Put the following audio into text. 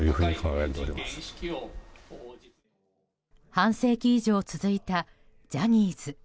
半世紀以上続いたジャニーズ。